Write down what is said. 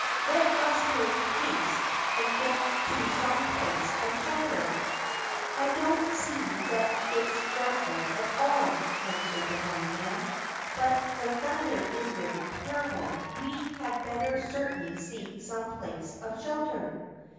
Let us make haste and get to some place of shelter." "I don't see that it's dreadful at all," answered the Blind Man; "but the thunder is very terrible; we had better certainly seek some place of shelter."